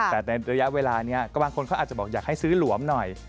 แต่ในระยะเวลานี้ก็บางคนเขาอาจจะบอกอยากให้ซื้อหลวมหน่อย